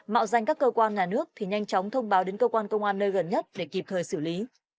mạo danh các cơ quan nhà nước thì nhanh chóng thông báo đến cơ quan công an nơi gần nhất để kịp thời xử lý